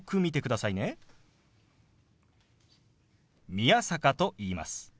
宮坂と言います。